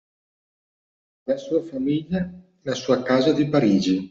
La sua famiglia, la sua casa di Parigi!